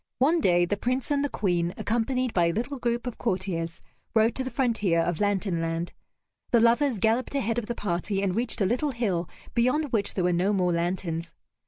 One day the Prince and the Queen, accompanied by a little group of courtiers, rode to the frontier of Lantern Land. The lovers galloped ahead of the party and reached a little hill beyond which there were no more lanterns.